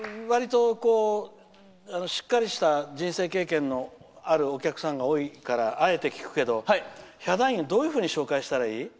わりとしっかりした人生経験のあるお客さんが多いからあえて聞くけどヒャダインどういうふうに紹介したらいい？